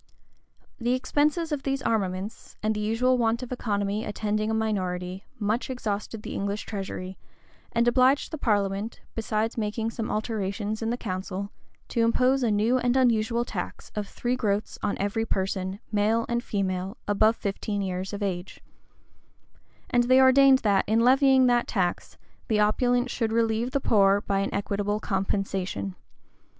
The expenses of these armaments, and the usual want of economy attending a minority, much exhausted the English treasury, and obliged the parliament, besides making some alterations in the council, to impose a new and unusual tax of three groats on every person, male and female, above fifteen years of age; and they ordained that, in levying that tax, the opulent should relieve the poor by an equitable compensation.